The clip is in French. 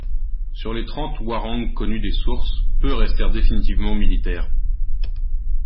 Sur les trente Hwarang connus des sources, peu restèrent définitivement militaires.